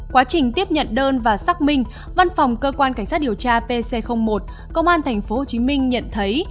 quá trình tiếp nhận đơn và xác minh văn phòng cơ quan cảnh sát điều tra pc một công an tp hcm nhận thấy